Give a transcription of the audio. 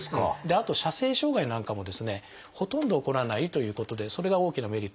あと射精障害なんかもですねほとんど起こらないということでそれが大きなメリットの一つです。